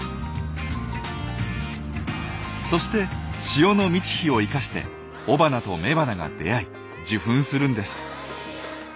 そして潮の満ち干を生かして雄花と雌花が出会い受粉するんです。